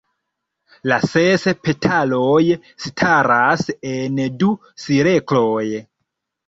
La ses petaloj staras en du cirkloj.